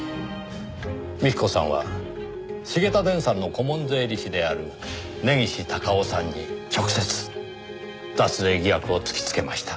幹子さんは繁田電産の顧問税理士である根岸隆雄さんに直接脱税疑惑を突きつけました。